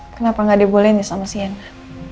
kenapa gak dia boleh nih sama siena